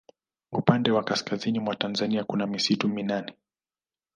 upande wa kaskazini mwa tanzania kuna misitu minene